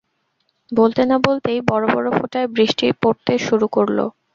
বলতে না বলতেই বড়-বড় ফোঁটায় বৃষ্টি পড়তে শুরু করল।